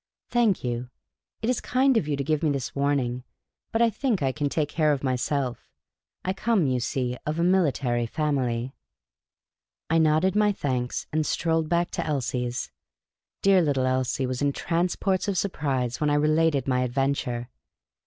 " Thank you. It is kind of you to give me this warning. But I think I can take care of myself I come, you see, of a military family." I nodded my thanks, and strolled back to Elsie's. Dear little Elsie was in transports of surpirse when I related my adv^enture.